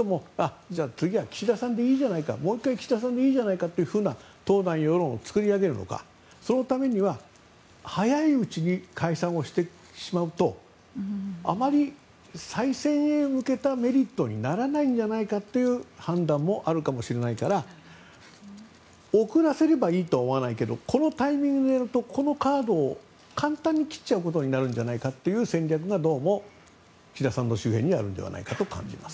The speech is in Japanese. つまり総裁選があることになって他の候補者も出てくることになるということなのかそれとも次は岸田さんでいいじゃないかもう１回岸田さんでいいじゃないかという党内世論を作り上げるのかそのためには早いうちに解散をしてしまうとあまり再選へ向けたメリットにならないのではないかという判断もあるかもしれないから遅らせればいいとは思わないけどこのタイミングでやるとこのカードを簡単に切ってしまうことになってしまうのではという戦略が、どうも岸田さんの周辺にあるんじゃないかと感じます。